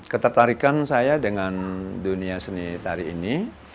ketertarikan saya dengan dunia seni tari ini